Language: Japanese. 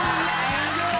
すごーい！